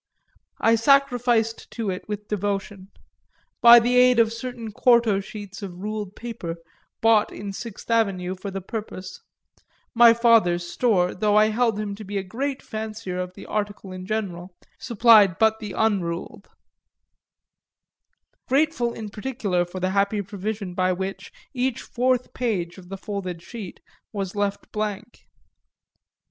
I sacrificed to it with devotion by the aid of certain quarto sheets of ruled paper bought in Sixth Avenue for the purpose (my father's store, though I held him a great fancier of the article in general, supplied but the unruled;) grateful in particular for the happy provision by which each fourth page of the folded sheet was left blank.